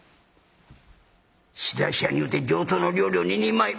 仕出し屋に言うて上等の料理を２人前。